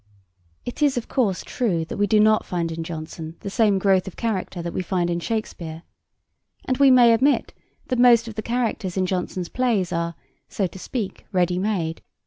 It is, of course, true that we do not find in Jonson the same growth of character that we find in Shakespeare, and we may admit that most of the characters in Jonson's plays are, so to speak, ready made.